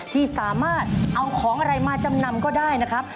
ที่สามารถเอาของอะไรมาจำนำก็ได้นะครับ